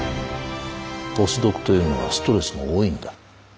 ポスドクというのはストレスも多いんだ。